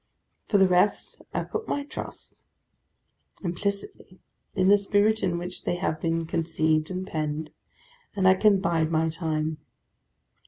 For the rest, I put my trust, implicitly, in the spirit in which they have been conceived and penned; and I can bide my time.